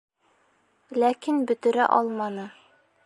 Ләкин бөтөрә алманы